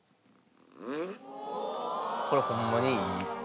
これホンマにいい。